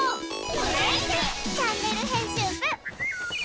「チャンネル編集部」！